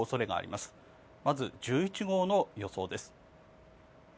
まず、１１号の予想です。